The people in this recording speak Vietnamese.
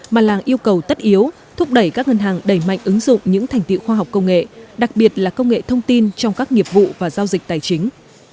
mà là yêu cầu tất yếu thúc đẩy các ngân hàng đẩy mạnh ứng dụng những thành tiệu khoa học công nghệ đặc biệt là công nghệ thông tin trong các nghiệp vụ và giao dịch tài chính